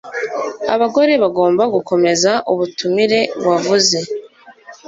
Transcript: abagore bagomba gukomeza ubutumire wavuze